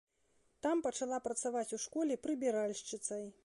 Там пачала працаваць у школе прыбіральшчыцай.